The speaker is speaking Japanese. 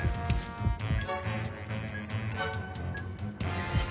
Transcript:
よし。